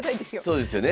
そうですよね。